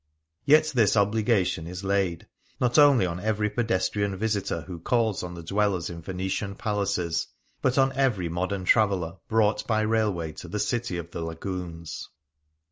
Yet this obligation is laid, not only on every pedestrian visitor who calls on the dwellers in Venetian palaces, but on every modern traveller brought by railway to the City of the Lagoons.